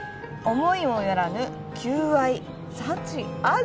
「思いも寄らぬ求愛」「幸あり」